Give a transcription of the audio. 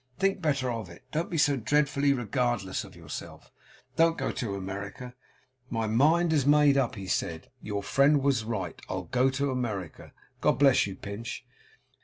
Think better of it. Don't be so dreadfully regardless of yourself. Don't go to America!' 'My mind is made up,' he said. 'Your friend was right. I'll go to America. God bless you, Pinch!